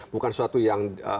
bukan sesuatu yang